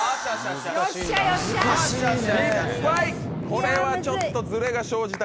これはちょっとズレが生じたか。